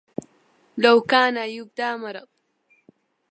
لو كان يفدى مرض